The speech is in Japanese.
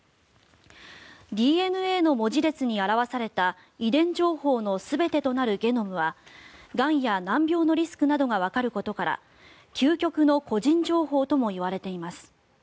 ＤＮＡの文字列に表された遺伝情報の全てとなるゲノムはがんや難病のリスクなどがわかることから究極の個人情報ともいわれています。